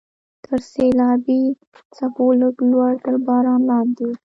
تر سیلابي څپو لږ لوړ، تر باران لاندې.